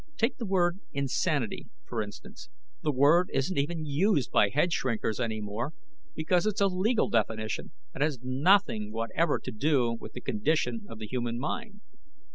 Take the word 'insanity,' for instance; the word isn't even used by head shrinkers any more because it's a legal definition that has nothing whatever to do with the condition of the human mind.